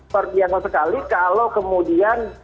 perbiangan sekali kalau kemudian